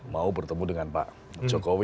mau bertemu dengan pak jokowi